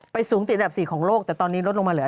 สูงติดอันดับ๔ของโลกแต่ตอนนี้ลดลงมาเหลือ